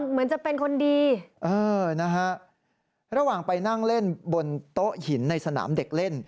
เหมือนจะเป็นคนดีเออนะฮะระหว่างไปนั่งเล่นบนโต๊ะหินในสนามเด็กเล่น